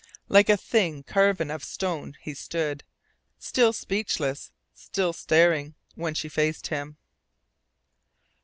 Like a thing carven out of stone he stood, still speechless, still staring, when she faced him.